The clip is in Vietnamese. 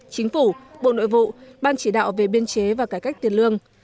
chính phủ bộ nội vụ ban chỉ đạo về biên chế và cải cách tiền lương